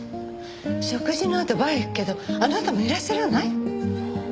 食事のあとバーへ行くけどあなたもいらっしゃらない？